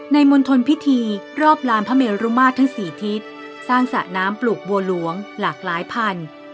มณฑลพิธีรอบลานพระเมรุมาตรทั้งสี่ทิศสร้างสระน้ำปลูกบัวหลวงหลากหลายพันธุ์